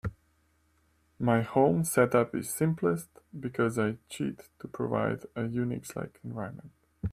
My home set up is simplest, because I cheat to provide a UNIX-like environment.